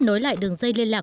nối lại đường dây liên lạc